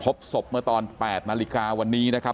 พบศพเมื่อตอน๘นาฬิกาวันนี้นะครับ